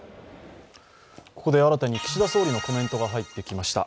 ここで新たに岸田総理のコメントが入ってきました。